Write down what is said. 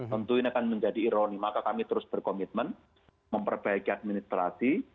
tentu ini akan menjadi ironi maka kami terus berkomitmen memperbaiki administrasi